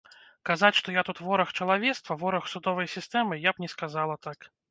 Казаць, што я тут вораг чалавецтва, вораг судовай сістэмы, я б не сказала так.